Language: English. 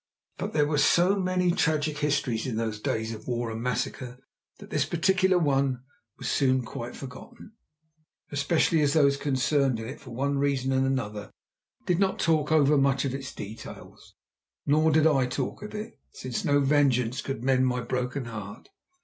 But there were so many tragic histories in those days of war and massacre that this particular one was soon quite forgotten, especially as those concerned in it for one reason and another did not talk overmuch of its details. Nor did I talk of it, since no vengeance could mend my broken heart.